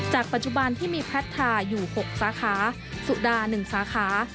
จากปัจจุบันที่มีพัฒนาอยู่๖สาขาซูดา๑สาขา